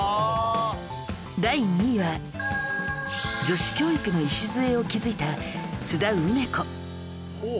第２位は女子教育の礎を築いた津田梅子